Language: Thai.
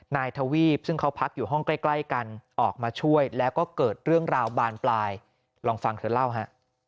นายทวีปซึ่งเขาพักอยู่ห้องใกล้กันออกมาช่วยแล้วก็เกิดเรื่องราวบานปลายลองฟังเธอเล่าฮะ